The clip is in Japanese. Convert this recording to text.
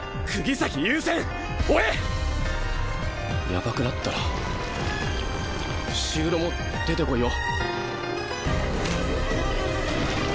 やばくなったら伏黒も出てこいよ。